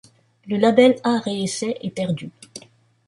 Le label Art et Essai est perdu.